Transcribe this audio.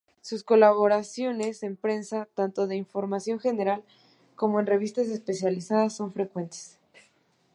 Sus colaboraciones en prensa, tanto de información general como en revistas especializadas, son frecuentes.